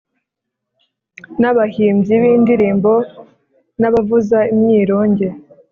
n abahimbyi b indirimbo n abavuza imyironge